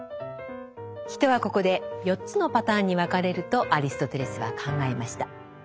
人はここで４つのパターンに分かれるとアリストテレスは考えました。